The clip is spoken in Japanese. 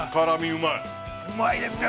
◆うまいですか。